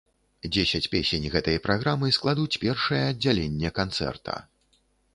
Дзесяць песень гэтай праграмы складуць першае аддзяленне канцэрта.